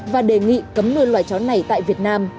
và đề nghị cấm nuôi loài chó này tại việt nam